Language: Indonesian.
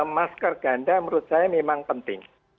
masker ganda menurut saya memang penting